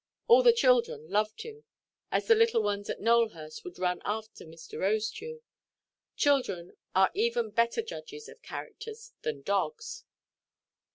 All the children loved him, as the little ones at Nowelhurst would run after Mr. Rosedew. Children are even better judges of character than dogs.